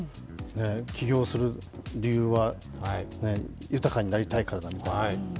起業する理由は、豊かになりたいからだと。